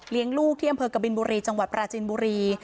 ลูกที่อำเภอกบินบุรีจังหวัดปราจินบุรี